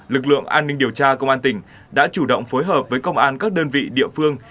lực lượng an ninh điều tra công an tỉnh đã chủ động phối hợp với công an các đơn vị địa phương